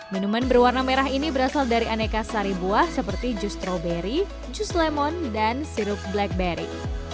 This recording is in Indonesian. minuman berwarna merah ini berasal dari aneka sari buah seperti jus stroberi jus lemon dan sirup blackberry